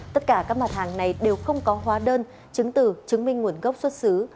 tất cả các mặt hàng này đều không có hóa đơn chứng từ chứng minh nguồn gốc xuất xứ